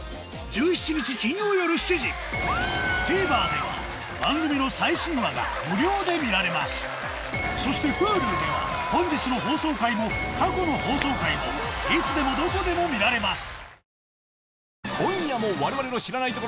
ＴＶｅｒでは番組の最新話が無料で見られますそしてＨｕｌｕでは本日の放送回も過去の放送回もいつでもどこでも見られます